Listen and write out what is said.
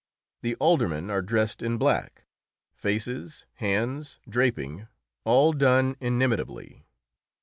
The aldermen are dressed in black; faces, hands, draping all done inimitably.